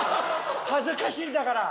恥ずかしいんだから。